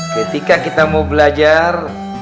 ketika kita mau belajar